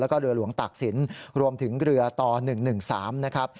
แล้วก็เรือหลวงตากศิลป์รวมถึงเรือต่อ๑๑๓นะครับ